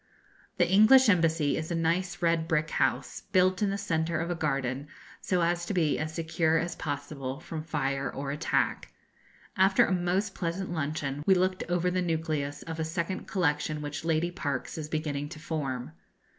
The English Embassy is a nice red brick house, built in the centre of a garden, so as to be as secure as possible from fire or attack. After a most pleasant luncheon we looked over the nucleus of a second collection which Lady Parkes is beginning to form.